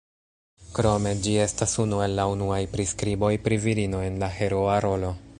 Krome ĝi estas unu el la unuaj priskriboj pri virino en la heroa rolo.